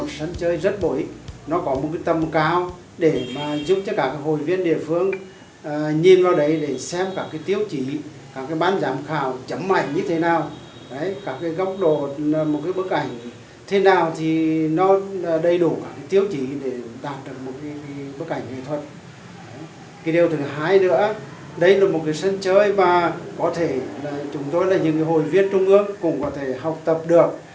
trên trung ương cũng có thể học tập được